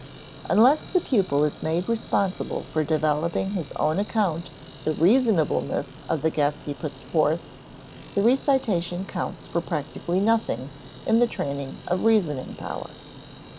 Unless the pupil is made responsible for developing on his own account the reasonableness of the guess he puts forth, the recitation counts for practically nothing in the training of reasoning power.